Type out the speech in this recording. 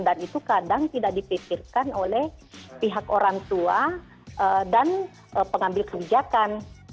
dan itu kadang tidak dipikirkan oleh pihak orang tua dan pengambil kebijakan